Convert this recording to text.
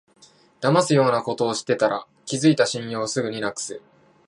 だますようなことしてたら、築いた信用をすぐになくす